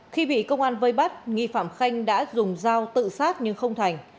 khi bị công an vây bắt nghi phạm khanh đã dùng dao tự sát nhưng không thành